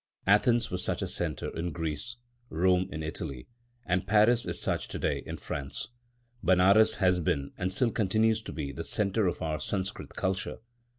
Athens was such a centre in Greece, Rome in Italy; and Paris is such to day in France. Benares has been and still continues to be the centre of our Sanskrit culture.